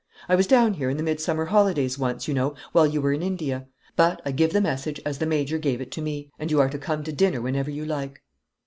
I was down here in the midsummer holidays once, you know, while you were in India. But I give the message as the Major gave it to me; and you are to come to dinner whenever you like."